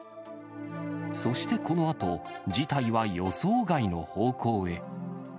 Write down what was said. そしてこのあと、事態は予想外の方向へ。